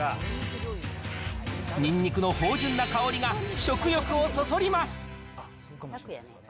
にんにくの芳じゅんな香りが、食欲をそそります。